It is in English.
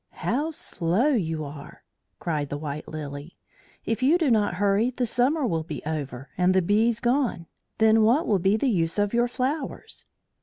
"How slow you are!" cried the White Lily. "If you do not hurry, the summer will be over and the bees gone. Then what will be the use of your flowers?"